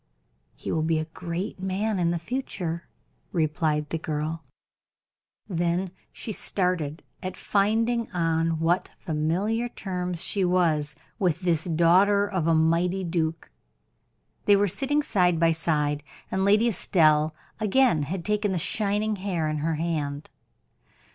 "He will be a great man in the future," replied the girl. Then she started at finding on what familiar terms she was with this daughter of a mighty duke. They were sitting side by side, and Lady Estelle had again taken the shining hair in her hand.